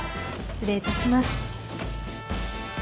失礼いたします。